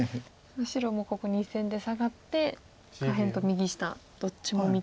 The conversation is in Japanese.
白もここ２線でサガって下辺と右下どっちも見たい。